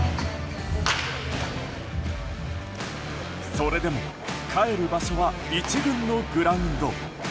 それでも帰る場所は１軍のグラウンド。